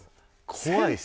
怖いっす。